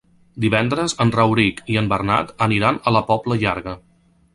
Divendres en Rauric i en Bernat aniran a la Pobla Llarga.